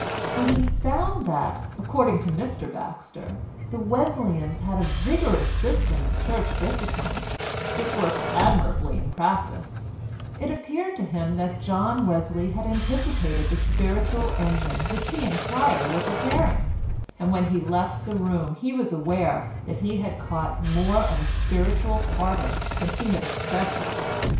When he found that, according to Mr Baxter, the Wesleyans had a vigorous system of Church discipline (which worked admirably in practice) it appeared to him that John Wesley had anticipated the spiritual engine which he and Pryer were preparing, and when he left the room he was aware that he had caught more of a spiritual Tartar than he had expected.